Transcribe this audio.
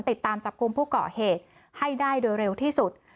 ติดตามจับกลุ่มผู้ก่อเหตุให้ได้โดยเร็วที่สุด